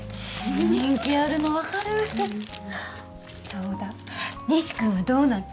人気あるの分かるそうだ仁志君はどうなった？